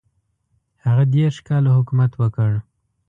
هغه دېرش کاله حکومت وکړ.